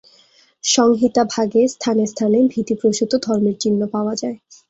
সংহিতা ভাগে স্থানে স্থানে ভীতি-প্রসূত ধর্মের চিহ্ন পাওয়া যায়।